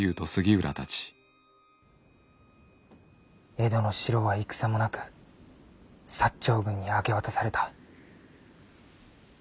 江戸の城は戦もなく長軍に明け渡された。